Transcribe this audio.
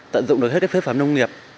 tận dụng được hết cái phế phẩm nông nghiệp